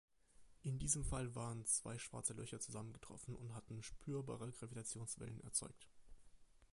In diesem Fall waren zwei schwarze Löcher zusammengetroffen und hatten spürbare Gravitationswellen erzeugt.